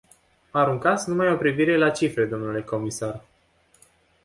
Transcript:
Aruncați numai o privire la cifre, dle comisar.